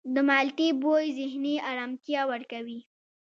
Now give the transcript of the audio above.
د مالټې بوی ذهني آرامتیا ورکوي.